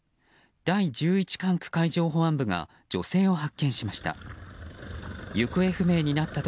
第１１管区海上保安本部が女性を発見しました。